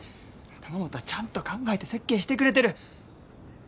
玉本はちゃんと考えて設計してくれてる。